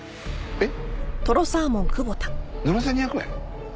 えっ？